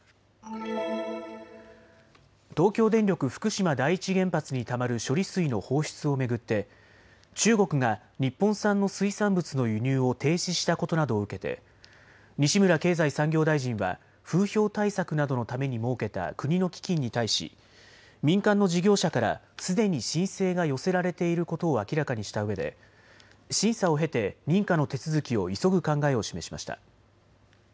東京電力福島第一原発にたまる処理水の放出を巡って中国が日本産の水産物の輸入を停止したことなどを受けて西村経済産業大臣は風評対策などのために設けた国の基金に対し民間の事業者からすでに申請が寄せられていることを明らかにしたうえで審査を経て認可の手続きを急ぐ考えを示しました。